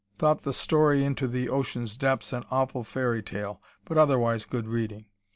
Thought the story "Into the Ocean's Depths" an awful fairy tale, but otherwise good reading.